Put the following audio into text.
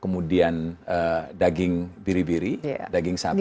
kemudian daging biri biri daging sapi